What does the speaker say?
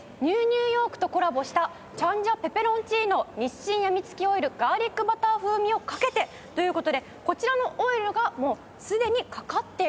『ＮＥＷニューヨーク』とコラボしたチャンジャペペロンチーノ日清やみつきオイルガーリックバター風味をかけて。という事でこちらのオイルがもうすでにかかっているんですね。